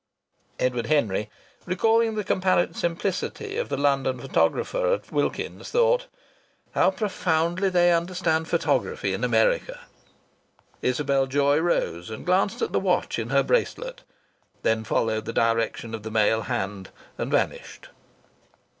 (Edward Henry, recalling the comparative simplicity of the London photographer at Wilkins's, thought: "How profoundly they understand photography in America!") Isabel Joy rose and glanced at the watch in her bracelet, then followed the direction of the male hand and vanished.